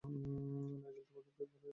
Nigel, তোমাকে পেয়ে ভালোই হলো।